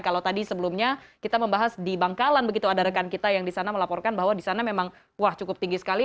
kalau tadi sebelumnya kita membahas di bangkalan begitu ada rekan kita yang di sana melaporkan bahwa di sana memang wah cukup tinggi sekali